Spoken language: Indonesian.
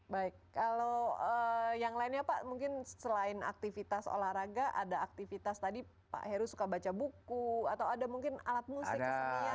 baik kalau yang lainnya pak mungkin selain aktivitas olahraga ada aktivitas tadi pak heru suka baca buku atau ada mungkin alat musik kesenian